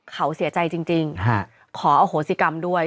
เขาเสียใจจริงขออโหสิกรรมด้วย